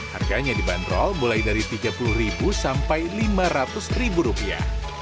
harganya di bandrol mulai dari tiga puluh ribu sampai lima ratus ribu rupiah